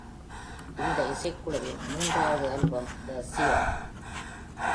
இந்த இசைக்குழுவின் மூன்றாவது ஆல்பம் "The Seer".